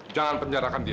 jangan penjarakan dia